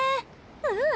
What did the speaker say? うん！